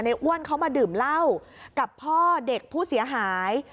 อ้วนเขามาดื่มเหล้ากับพ่อเด็กผู้เสียหาย